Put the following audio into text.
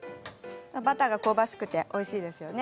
バターが香ばしくておいしいですよね。